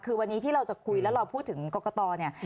คือวันนี้ที่เราจะคุยแล้วเราพูดถึงกรกตเนี่ย